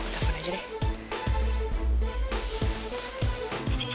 sampai jumpa aja deh